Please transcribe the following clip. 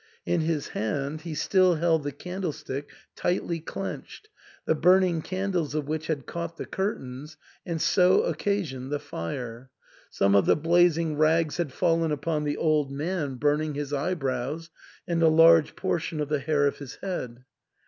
In his hand he still held the candlestick tightly clenched, the burning candles of which had caught the curtains, and so occasioned the fire. Some of the blazing rags had fallen upon the old man, burning his eyebrows and a large portion of the hair of his head.